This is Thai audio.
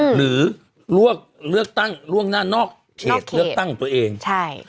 หรือเลือกเลือกตั้งล่วงหน้านอกเขตเลือกตั้งของตัวเองใช่